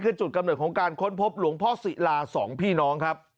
คือจุดกำหนดของการค้นพบหลวงพ่อศิรา๒พี่น้อง